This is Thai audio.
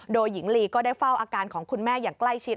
โดยหญิงลีก็ได้เฝ้าอาการของคุณแม่อย่างใกล้ชิด